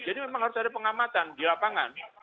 jadi memang harus ada pengamatan di lapangan